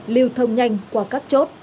lưu thông nhanh qua các chốt